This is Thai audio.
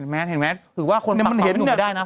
เห็นไหมคือว่าคนปรับของไม่หนุนไปได้นะ